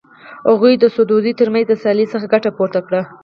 هغوی د سدوزیو تر منځ د سیالۍ څخه ګټه پورته کړه.